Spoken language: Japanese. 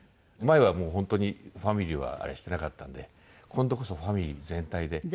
前は本当にファミリーはあれしてなかったんで今度こそファミリー全体で。